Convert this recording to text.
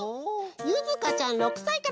ゆずかちゃん６さいからです！